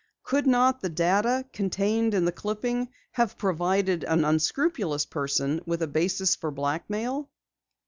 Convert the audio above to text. Could not the data contained in the clipping have provided an unscrupulous person with a basis for blackmail?